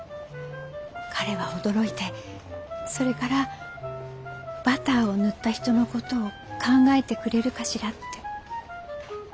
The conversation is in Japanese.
彼は驚いてそれからバターを塗った人のことを考えてくれるかしらって。